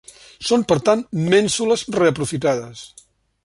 Són per tant mènsules reaprofitades.